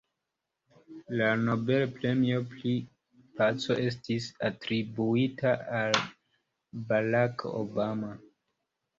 La la Nobel-premio pri paco estis atribuita al Barack Obama.